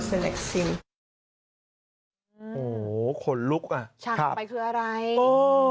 ฉักไปคืออะไรโอ้โฮ